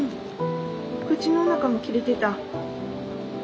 口の中も切れてた？